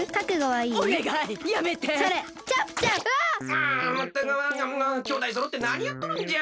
ああまったくきょうだいそろってなにやっとるんじゃ。